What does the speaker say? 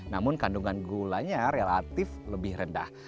namun kandungan gulanya relatif lebih rendah